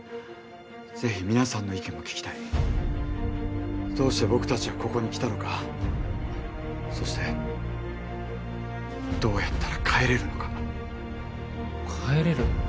ぜひ皆さんの意見も聞きたいどうして僕達はここに来たのかそしてどうやったら帰れるのか帰れる？